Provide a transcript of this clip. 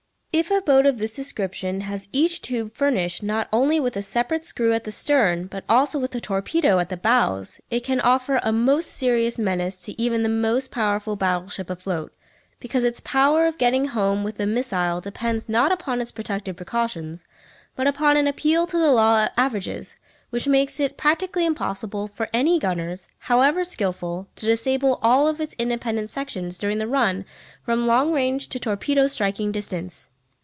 If a boat of this description has each tube furnished not only with a separate screw at the stern, but also with a torpedo at the bows, it can offer a most serious menace to even the most powerful battle ship afloat, because its power of "getting home" with a missile depends not upon its protective precautions, but upon an appeal to the law of averages, which makes it practically impossible for any gunners, however skilful, to disable all its independent sections during the run from long range to torpedo striking distance.